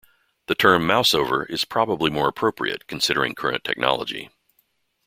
The term mouseover is probably more appropriate considering current technology.